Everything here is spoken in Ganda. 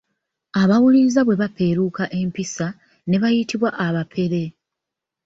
Abawuliriza bwe baapeeruuka empisa, ne bayitibwa abapere.